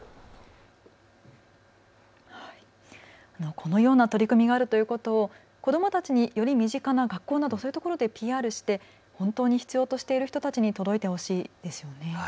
このような取り組みがあるということを子どもたちにより身近な学校などそういうところでＰＲして本当に必要としている人たちに届いてほしいですよね。